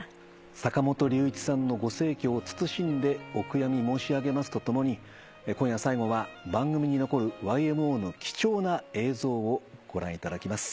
坂本龍一さんのご逝去を謹んでお悔やみ申し上げますとともに今夜最後は番組に残るＹＭＯの貴重な映像をご覧いただきます。